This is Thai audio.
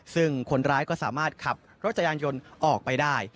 ซึ่งคนร้ายก็สามารถขับรถจักรยานยนต์ออกไปได้